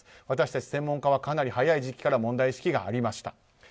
私たち専門家はかなり早い時期から問題意識がありました。